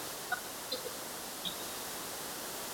薄膜的拉伸导致样品分子和拉伸方向取向一致。